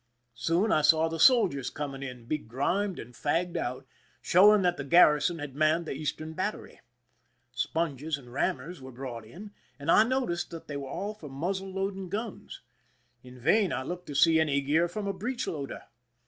Soon I saw the soldiers coming in, begrimed and 205 THE SINKING OF THE "MERRIMAC" fagged out, showing that the garrison had manned the eastern battery. Sponges and rammers were brought in, and I noticed that they were all for muzzle loading guns. In vain I looked to see any gear from a breech loader.